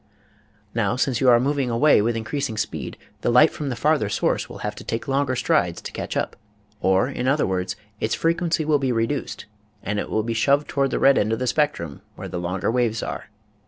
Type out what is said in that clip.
Now since you are moving away with increasing speedy the light from the farther source will have to take longer strides to catch up. Or in other words, its frequency will be reduced and it will be shoved toward the red end of the spectrum where the longer waves are.